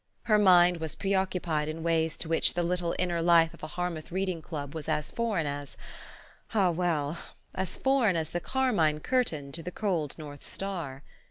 Her mind was pre occupied in ways to which the little inner life of a Harmouth reading club was as foreign as ah, well ! as foreign as the carmine curtain to the cold north star.